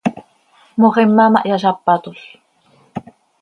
Moxima ma hyazápatol.